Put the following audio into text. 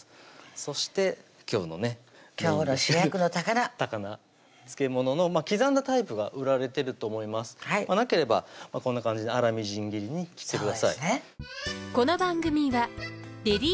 そして今日のね今日の主役の高菜漬物の刻んだタイプが売られてると思いますなければこんな感じで粗みじん切りに切ってください